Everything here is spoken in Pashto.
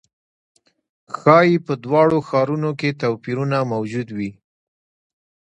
ښايي په دواړو ښارونو کې توپیرونه موجود وي.